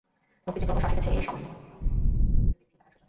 মুক্তি যে ক্রমশ আসিতেছে, এই সমভাব ও ঐক্যবোধের উত্তরোত্তর বৃদ্ধিই তাহার সূচনা।